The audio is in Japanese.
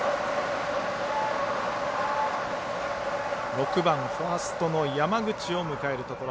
６番ファーストの山口を迎えるところ。